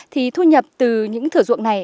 thì thu nhập từ những thử dụng này